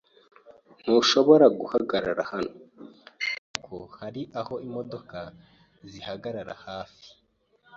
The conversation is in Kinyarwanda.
Ntushobora guhagarara hano. Ariko, hari aho imodoka zihagarara hafi.